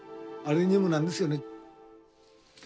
あれにもなるんですよね。